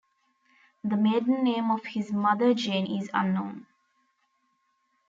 The maiden name of his mother Jane is unknown.